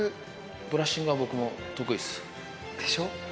ブラッシングは僕も得意です。でしょ。